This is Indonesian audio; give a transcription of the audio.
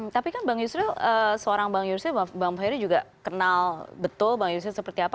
tapi kan bang yusril seorang bang yusril bang ferry juga kenal betul bang yusril seperti apa